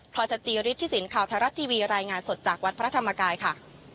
พรชจียฤทธิสินทร์ข่าวทรัศน์ทีวีรายงานสดจากวัดพระธรรมกายค่ะ